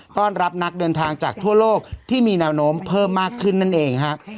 ต้อนรับนักเดินทางจากทั่วโลกที่มีแนวโน้มเพิ่มมากขึ้นนั่นเองฮะ